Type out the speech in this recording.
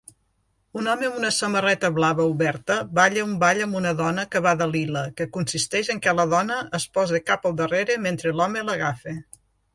Un home amb una samarreta blava oberta balla un ball amb una dona que va de lila que consisteix en que la dona es posa cap al darrera mentre l'home l'agafa